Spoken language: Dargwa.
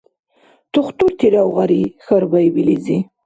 — Тухтуртирав гъари? — хьарбаиб илизи.